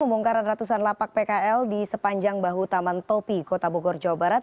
pembongkaran ratusan lapak pkl di sepanjang bahu taman topi kota bogor jawa barat